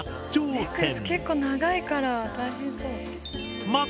結構長いから大変そう。